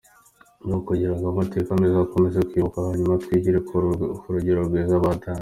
Ni no kugira ngo amateka meza akomeze kwibukwa, hanyuma twigire ku rugero rwiza batanze.